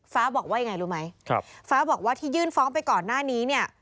ฟ้าบอกว่ายังไงรู้ไหมฟ้าบอกว่าที่ยื่นฟ้องไปก่อนหน้านี้เนี่ย